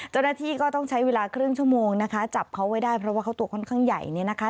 เจ้าหน้าที่ก็ต้องใช้เวลาครึ่งชั่วโมงนะคะจับเขาไว้ได้เพราะว่าเขาตัวค่อนข้างใหญ่เนี่ยนะคะ